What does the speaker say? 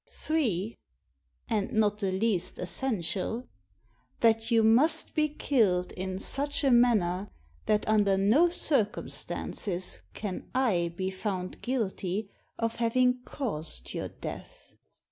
3 — and not the least essential — That you must be killed in such a manner that under no circumstances can I be found guilty of having caused your death.